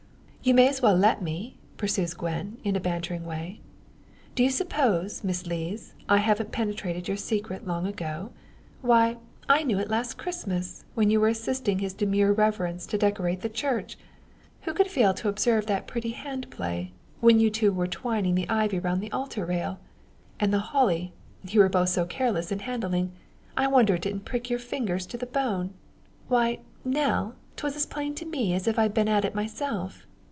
"You may as well let me," pursues Gwen, in a bantering way. "Do you suppose, Miss Lees, I haven't penetrated your secret long ago? Why, I knew it last Christmas, when you were assisting his demure reverence to decorate the church! Who could fail to observe that pretty hand play, when you two were twining the ivy around the altar rail? And the holly, you were both so careless in handling I wonder it didn't prick your fingers to the bone! Why, Nell, 'twas as plain to me, as if I'd been at it myself.